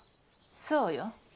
そうよ。